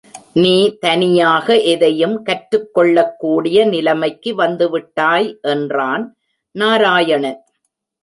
நீ தனியாக எதையும் கற்றுக் கொள்ளக் கூடிய நிலமைக்கு வந்து விட்டாய் என்றான் நாராயணன்.